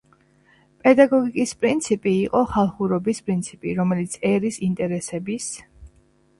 პედაგოგიკის პრინციპი იყო ხალხურობის პრინციპი, რომელიც ერის ინტერესების